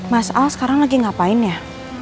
mas al sekarang lagi ngapain ya